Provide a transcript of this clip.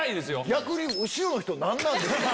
逆に後ろの人何なんですか？